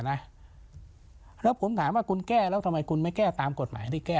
แล้วคุณถามว่าแล้วคุณแก้แล้วทำไมคุณไม่แก้ตามกฎหมาย